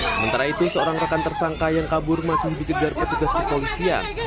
sementara itu seorang rekan tersangka yang kabur masih dikejar petugas kepolisian